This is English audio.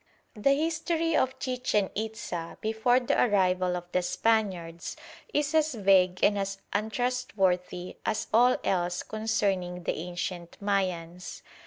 ] The history of Chichen Itza before the arrival of the Spaniards is as vague and as untrustworthy as all else concerning the ancient Mayans.